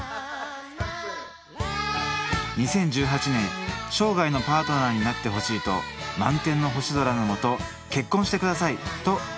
２０１８年生涯のパートナーになってほしいと満天の星空のもと結婚してください！と言いました。